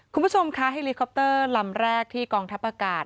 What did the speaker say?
คุณผู้ชมคะเฮลิคอปเตอร์ลำแรกที่กองทัพอากาศ